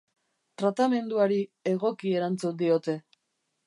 Tratamenduari egoki erantzun diote.